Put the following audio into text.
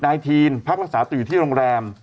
ทีนพักรักษาตัวอยู่ที่โรงแรม